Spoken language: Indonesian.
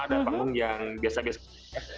ada panggung yang biasa biasa